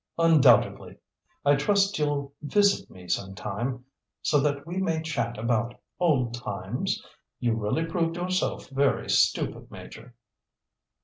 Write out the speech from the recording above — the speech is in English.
"Undoubtedly. I trust you'll visit me sometime so that we may chat about old times? You really proved yourself very stupid, Major."